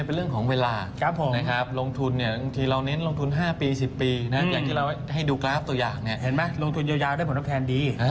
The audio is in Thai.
เห็นไหมลงทุนยาวที่ผลตอบแทนดี